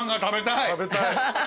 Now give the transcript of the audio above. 食べたい。